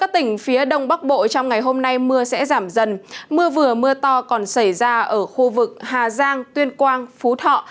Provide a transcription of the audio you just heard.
trong bắc bộ trong ngày hôm nay mưa sẽ giảm dần mưa vừa mưa to còn xảy ra ở khu vực hà giang tuyên quang phú thọ